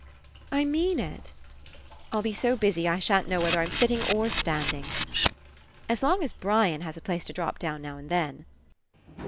... I mean It. ... I'll be so busy I shan't know whether I'm sit ting or standing. ... As long as Brian has a place to drop down now and then.